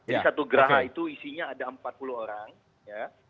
jadi satu geraha itu isinya ada empat puluh orang ya